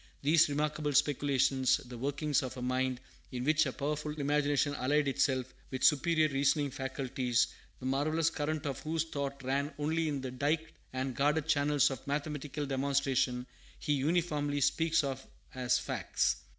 These remarkable speculations the workings of a mind in which a powerful imagination allied itself with superior reasoning faculties, the marvellous current of whose thought ran only in the diked and guarded channels of mathematical demonstration he uniformly speaks of as "facts."